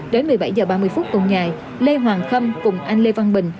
đến một mươi bảy h ba mươi phút cùng ngày lê hoàng khâm cùng anh lê văn bình